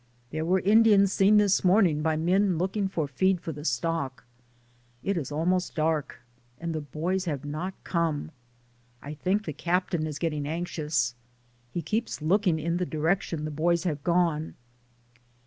There were Indians seen this morning by men looking for feed for the stock. It is almost dark and the boys have not come. I think the captain is getting anxious; he keeps looking in the direction the boys have gone.